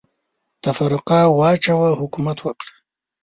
تفرقه واچوه ، حکومت وکړه.